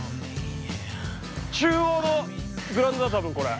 中央のグラウンドだ多分これ。